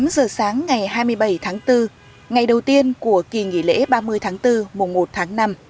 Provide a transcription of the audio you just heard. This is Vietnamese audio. tám giờ sáng ngày hai mươi bảy tháng bốn ngày đầu tiên của kỳ nghỉ lễ ba mươi tháng bốn mùa một tháng năm